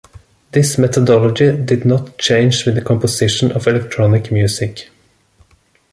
This methodology did not change with the composition of electronic music.